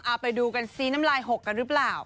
เอาไปดูกันซิน้ำลายหกกันหรือเปล่า